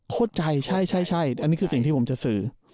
เข้าใจใช่อันนี้คือสิ่งที่ผมจะสื่อ